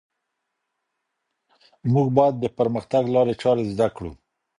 موږ باید د پرمختګ لارې چارې زده کړو.